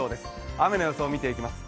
雨の予想を見ていきます。